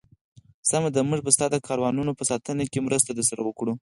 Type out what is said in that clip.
سمه ده، موږ به ستا د کاروانونو په ساتنه کې مرسته درسره وکړو.